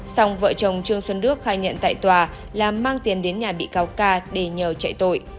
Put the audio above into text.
xong vợ chồng trương xuân đức khai nhận tại tòa là mang tiền đến nhà bị cao ca để nhờ chạy tội